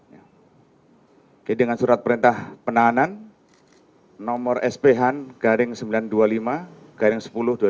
jadi dengan surat perintah penahanan nomor sph garing sembilan ratus dua puluh lima garing sepuluh dua ribu delapan belas